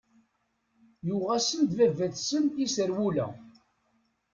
Yuɣ-asen-d baba-tsen iserwula.